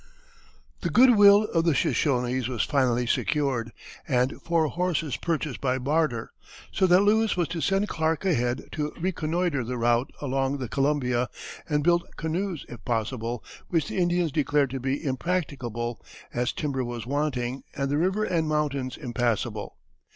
The good will of the Shoshones was finally secured, and four horses purchased by barter; so that Lewis was to send Clark ahead to reconnoitre the route along the Columbia, and build canoes if possible, which the Indians declared to be impracticable, as timber was wanting, and the river and mountains impassable.